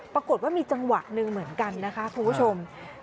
ปรากฏว่ามีจังหวะหนึ่งเหมือนกันนะคะคุณผู้ชม